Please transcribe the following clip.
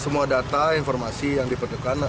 semua data informasi yang diperlukan